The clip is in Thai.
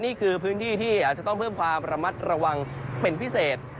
นี่คือพื้นที่ที่อาจจะต้องเพิ่มความระมัดระวังเป็นพิเศษ